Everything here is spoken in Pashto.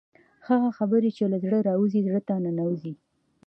هغه خبرې چې له زړه راوځي زړه ته ننوځي.